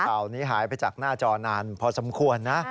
ข่าวนี้หายไปจากหน้าจอนานพอสมควรนะ